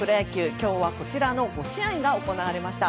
今日はこちらの５試合が行われました。